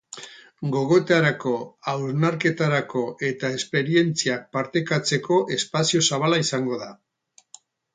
Gogoetarako, hausnarketarako eta esperientziak partekatzeko espazio zabala izango da.